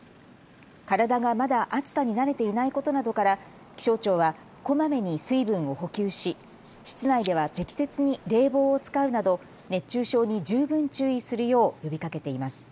体がまだ暑さに慣れていないことなどから気象庁は、こまめに水分を補給し室内では適切に冷房を使うなど熱中症に十分注意するよう呼びかけています。